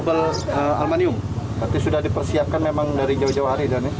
berarti sudah dipersiapkan memang dari jawa jawa hari kan